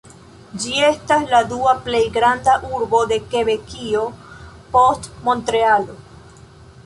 Ĝi estas la dua plej granda urbo de Kebekio, post Montrealo.